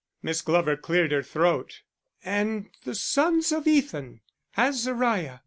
Miss Glover cleared her throat. "_And the sons of Ethan; Azariah.